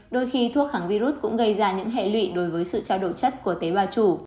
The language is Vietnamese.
đôi khi thuốc kháng virus cũng gây ra những hệ lụy đối với sự trao đổi chất của tế bào chủ